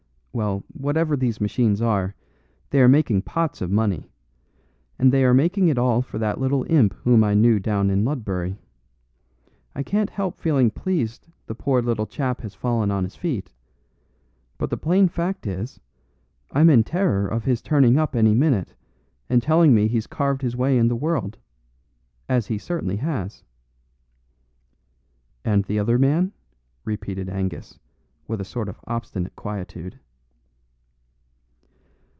Well, whatever these machines are, they are making pots of money; and they are making it all for that little imp whom I knew down in Ludbury. I can't help feeling pleased the poor little chap has fallen on his feet; but the plain fact is, I'm in terror of his turning up any minute and telling me he's carved his way in the world as he certainly has." "And the other man?" repeated Angus with a sort of obstinate quietude.